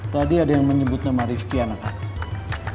tadi ada yang menyebut nama rifqi anak aku